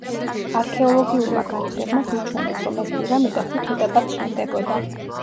არქეოლოგიურმა გათხრებმა გვიჩვენეს, რომ ეს პირამიდა ხუთ ეტაპად შენდებოდა.